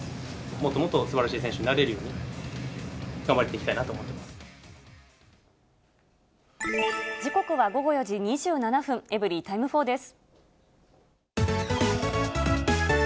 もっともっとすばらしい選手になれるように、頑張っていきたいな時刻は午後４時２７分、エブリィタイム４です。